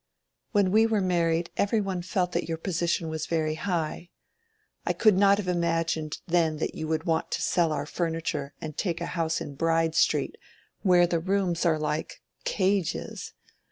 "When we were married everyone felt that your position was very high. I could not have imagined then that you would want to sell our furniture, and take a house in Bride Street, where the rooms are like cages.